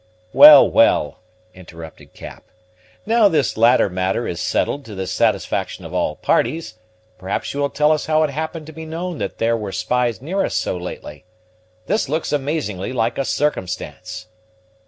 "Well, well," interrupted Cap; "now this latter matter is settled to the satisfaction of all parties, perhaps you will tell us how it happened to be known that there were spies near us so lately. This looks amazingly like a circumstance."